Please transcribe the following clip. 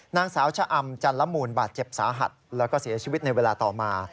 นางสาวชะอำจันละมูลบาดเจ็บสาหัสแล้วก็เสียชีวิตในเวลาต่อมา